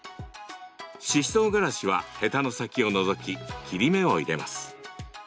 ししとうがらしはヘタの先を除き切り目を入れます。